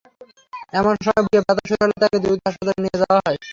এমন সময় বুকে ব্যথা শুরু হলে তাঁকে দ্রুত হাসপাতালে নিয়ে যাওয়া হয়।